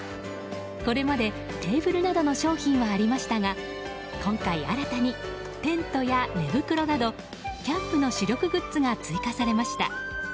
これまでテーブルなどの商品はありましたが今回、新たにテントや寝袋などキャンプの主力グッズが追加されました。